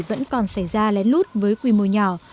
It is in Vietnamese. vẫn còn xảy ra lén lút với quy mô nhỏ